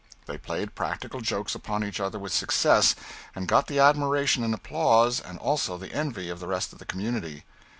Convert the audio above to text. They played practical jokes upon each other with success, and got the admiration and applause and also the envy of the rest of the community.